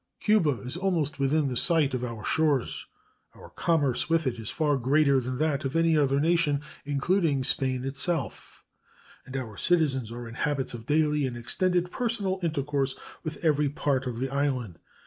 Cuba is almost within sight of our shores; our commerce with it is far greater than that of any other nation, including Spain itself, and our citizens are in habits of daily and extended personal intercourse with every part of the island.